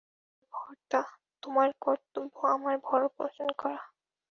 তুমি আমার ভর্তা, তোমার কর্তব্য আমার ভরণপোষণ করা।